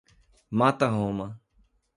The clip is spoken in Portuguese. Mata Roma